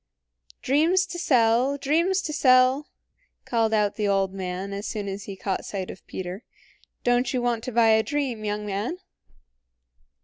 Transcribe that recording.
"Dreams to sell! Dreams to sell!" called out the old man as soon as he caught sight of Peter. "Don't you want to buy a dream, young man?"